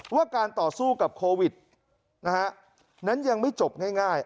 ว่าการต่อสู้กับโควิดนะฮะนั้นยังไม่จบง่าย